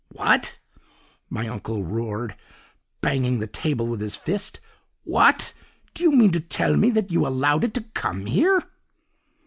"'What!' my uncle roared, banging the table with his fist, 'what! do you mean to tell me you allowed it to come here!